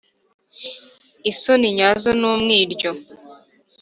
Isoni nyazo n’umwiryo